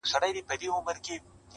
دوه یاران سره ملګري له کلونو!